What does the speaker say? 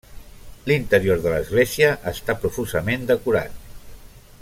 L'interior de l'església està profusament decorat.